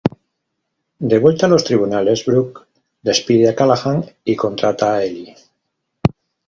De vuelta a los tribunales, Brooke despide a Callahan y contrata a Elle.